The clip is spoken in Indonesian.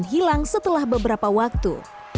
dan hilang setelah beberapa waktu